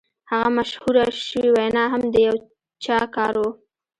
هغه مشهوره شوې وینا هم د یو چا کار و